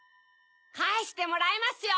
かえしてもらいますよ！